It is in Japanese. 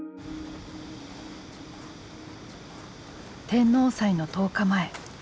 天王祭の１０日前。